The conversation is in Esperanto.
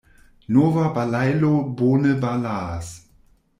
Nova balailo bone balaas.